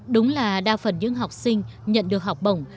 đúng là đa phần những học sinh nhận được học bổng